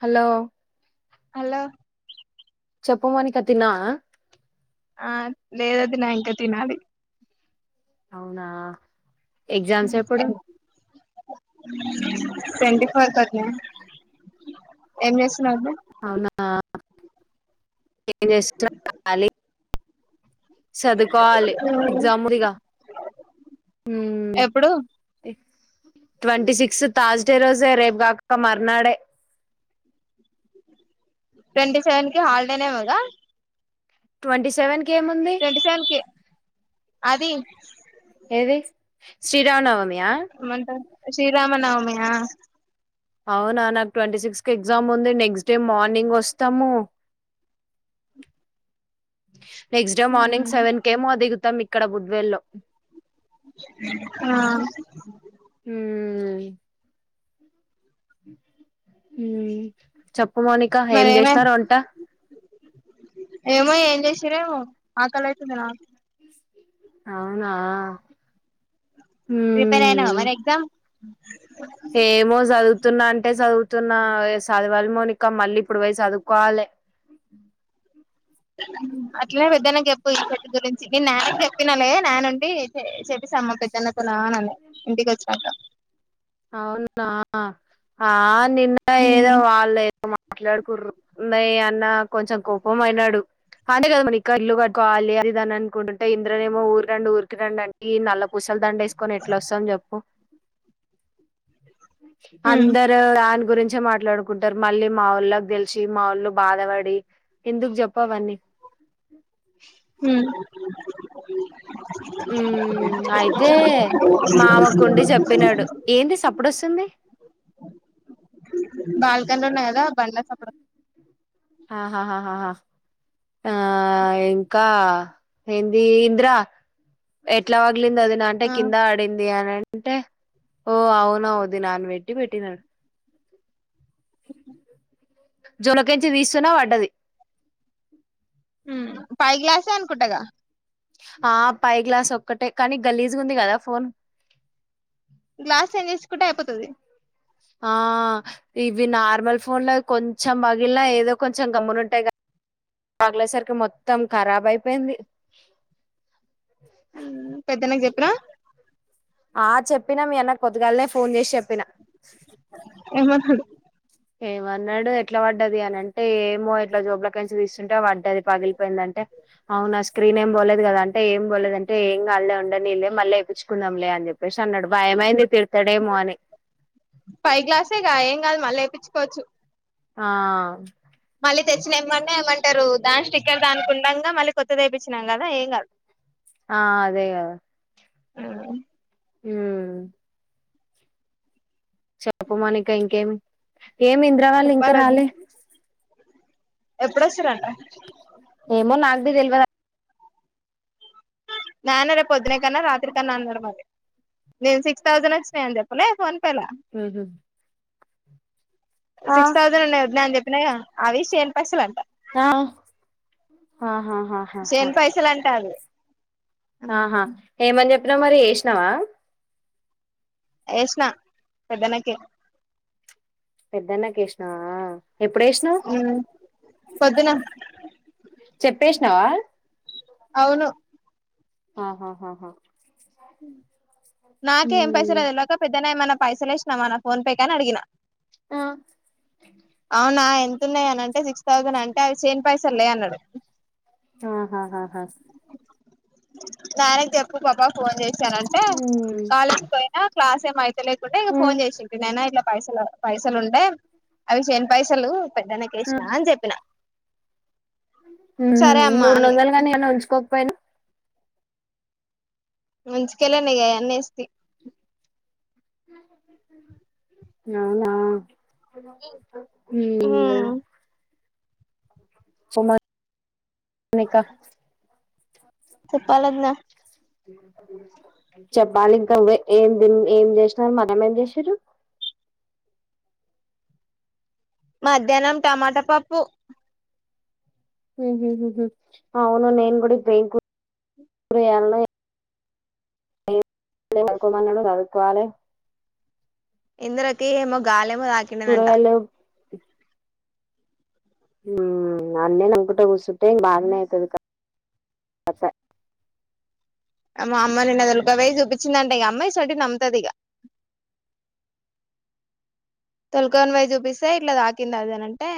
Hollow hello చెప్పు మౌనికా, తిన్నావా ఆహ్ లేదు వదిన ఇంకా తినాలి అవునా ఎగ్జామ్స్ ఎప్పుడు అ ట్వెంటీ ఫోర్త్ వదిన ఏం చేస్తున్ అవునా ఏం చేస్తట్లే, ఖాళీ సదువుకోవాలి వదిన ఎగ్జామ్ ఉంది గా ఉహ్ ఎప్పుడు ట్వంటీ సిక్స్త్ థార్స్ డే రోజే రేపు కాక మర్నాడే ట్వంటీ సెవెన్ కి హాలిడే నేమో గా ట్వంటీ సెవెన్ కి ఏముంది ట్వంటీ సెవెన్ కి అది ఏది ఏమంటా శ్రీరామనవమి ఆ అవునా నాకు ట్వంటీ సిక్స్ కి ఎగ్జామ్ ఉంది నెక్స్ట్ డే మార్నింగ్ వస్తాము. నెక్స్ట్ డే మార్నింగ్ సెవన్ కేమో దిగుతాము ఇక్ ఇక్కడ బుద్వేల్ లో ఆహ్ ఉమ్ ఉమ్ చెప్పు మౌనిక ఏం మరేమే చేసినారు వంట ఏం ఏంచేసిండ్రో ఏమో ఆకలి అయితుంది నాకు అవునా ప్రిపేర్ అయినావ ఉమ్ మరి ఎగ్జామ్ ఉ ఏమో చదువుతున్నా అంటే చదువుతున్నా ఇగ సదవాల మౌనిక మళ్ళీ ఇప్పుడు పోయ్ సదువుకోవాలె ఇపో ఇప్పటి గురించి నేను నాయనికి చెప్పినాలే, నాన్న ఉండి చెపిస్తా అమ్మ పెద్దన్నతోన అని అన్నాడు, ఇంటికి వచ్చాక. అవునా ఆహ్ నిన్న ఏదో వాళ్లు ఏ మాట్లాడుకుర్రు ఉన్నా అన్న కొంచెం కోపం అయినాడు అంటే కదా మళ్ళి ఇల్లు కట్టుకోవాలి అది ఇది అనుకుంటుంటే ఇంద్రనేమో ఊరు రండి ఊరికి రండి అ నల్ల పుసల దండ ఏసుకొని ఎట్లా వస్తా చెప్పు [unintelligible] అందరు దాని గురించి గా మాట్లాడుకుంటారు మళ్ళీ మా వాళ్ళకి తెలిసి మా వాళ్ళు బాధపడి ఎందుకు చెప్ప అవన్నీ హామ్ [inaudible] ఉ అయితే మామకుండి చెప్పినాడు ఏంది సప్పుడొస్తుంది బాల్కనీలు ఉన్నా గదా బండ్ల సప్పుడ ఆహహ ఆ ఇంకా ఎంది ఇంద్ర ఎట్లా వ పగిలింది వదిన అని అంటే ఆ కింద ఆడింది అని అంటే ఓ అవున వదిన అని పెట్టి పెట్టినా జొనకించి తీస్తున్నా వడ్డది హు పై గ్లాసే అనుకుంటాగా ఆ పై గ్లాస్ ఒక్కటే కానీ గలీజు ఉంది గదా ఫోన్ గ్లాస్ క్స్చేంజి చేచుకుంటే అయిపోతుది ఆ ఇవి నార్మల్ ఫోన్ లో కొంచెం పగిలిన ఏదో కొంచెం గమ్మున ఉంటాయి క పగిలే సరికి మొత్తం ఖరాబ్ అయిపోయింది ఉ పెద్దన్నకి చెపిన ఆ చెప్పినా మీ అన్న పోదుగాలనే ఫోన్ చేసి చెప్ప పిన హలో ఏమన్నాడు ఎట్లా పడ్డది అన అంటే ఏమో ఎట్లా జోబ్ల కైన్స్ తీస్తుంటే పడ్డది పగిలిపోయిందంటే అవునా స్క్రీన్ ఏం పోలేదు కదా అంటే ఏం పోలేదుంటే ఏం అళ్లే ఉండదు నీళ్ళ మళ్ళీ వయిించుకుందాం లే అని చెప్పేసి అన్నాడు భయమైంది తిడతాడేమో అని పై గ్లాసేగా ఏం కాదు మళ్ళీ లేయిించుకోవచ్చు ఆ మళ్ళీ తెచ్చిన ఏమ్మన్నా ఏమంటారు దాని స్టిక్కర్ దానికి ఉండంగా మళ్ళీ కొత్తది ఎపిచినం కదా ఏం కాదు ఆ అదే గదా ఉ హామ్ చెపూ మనికా ఇంకేం ఏమి ఇంద్ర వాళ్ళు ఇంకా రాలే ఎప్పుడొస్టేరంట ఏమో నక్ బి తేల్వ నానే రే పొద్దున కన్నా రాత్రి కన్నా అన్నాడు మరి నేను సిక్స్ థౌసండ్ వచ్చినాయి అని చెప్పలే ఫోన్ ఉహు ఆ సిస్టోజ్ఞాన్ అవిష్ శన్ పసలు అంట ఆ ఆహా చేను పైసలు అంట అది ఆహా ఏమని చెప్ అబ్ర మరి వేసినావా యష్నా పెద్దనక పెద్దన్న కేష్ణ ఎప్పుడ వేసినావు్ పొద్దున చెప్పేసినావా అవును ఆహాహాహా నాకే ఏం పైసరాది తెల్వక పెద్దనే మన పైస లే ఇష్ినామా ఫోన్ పే కానీ అడిినా ఆ అవునా ఎంతన్నాయ అని అంటే సిక్స్ థౌసండ్ అంటే అ చేన్ పైస లే అన్నాడు ఆహా ఆ నాార తె అప్ప పాబా ఫోన్ చేశాారంటే ఉమ్. కాలేజ్ పోయినా క్లాస్ ఏం అయితే లేకుంటే ఇంక ఉమ్. ఫోన్ చేసింది నేనా ఇలా పైసలు పైసలుండే అవి చేని పైసలు ంటకష్ా చెప్పిన సరే అమ్మా నూరు అని రందలు కాగానీ ఏన్న ఉంచుకో ప ముంచంచకెలనేగ అన్నేస్త అవునా హ సమాకా చెపలన్నా చెప్పాలి ఇంకా ఏం ఏం చేసినారు మనంేం చేసారు మధ్యాహ్నం టమాటా పప్పు అవును నేను కూడాడి బ అకు మన్న తదుకోవాల ఇందరకిమో గాాల ాంటా కూరగాయలు అన్నే నమ్కట కూఊ చట్ట బాగానే అయితుది కస మా అమ్మామ నిన్నదులుకవేయి చూపించిందింటే ఇ అమ్మాయి చటి నమ్ముతది ఇక తొలకని పవి చూపిస్తే ఇట్లా తాకింది అదేనంటే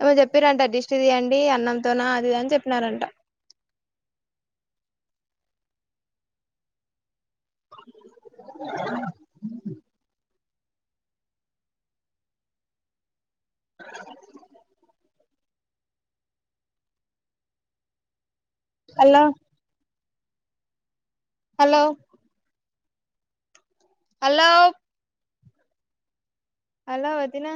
ఏమ చెప్పారంట డిస్ట్ తీయంండి అన్నంతోనా అదిద అని చెప్పినారంట అలా హలో హలో హలో వదిన